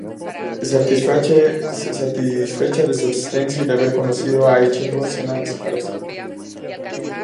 Satisfecha de su existencia y de haber conocido a Ichigo, Senna desaparece.